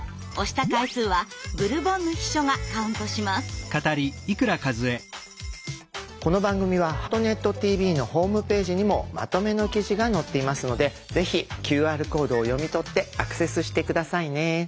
スタジオの皆さんはこの番組は「ハートネットＴＶ」のホームページにもまとめの記事が載っていますのでぜひＱＲコードを読み取ってアクセスして下さいね。